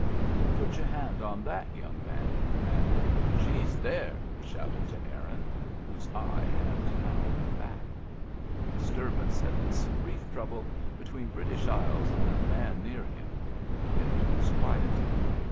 " Put your hand on that, young man," he com manded. "She's there," he shouted to Aaron, whose eye had now come back. The disturbance had been some brief trouble between British Isles and a man near him; it was quieted.